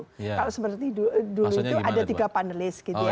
kalau seperti dulu itu ada tiga panelis gitu ya